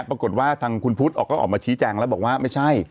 ปรากฏว่าทางคุณพุทธออกก็ออกมาชี้แจงแล้วบอกว่าไม่ใช่